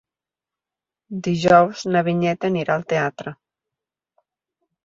Dijous na Vinyet anirà al teatre.